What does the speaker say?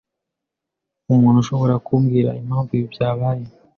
Umuntu ashobora kumbwira impamvu ibi byabaye?